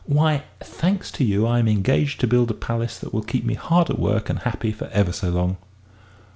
Why, thanks to you, I am engaged to build a palace that will keep me hard at work and happy for ever so long."